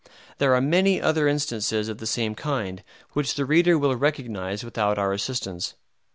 There are many other instances of the same kind which the reader will recognize without our assistance.